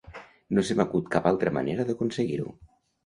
No se m'acut cap altra manera d'aconseguir-ho.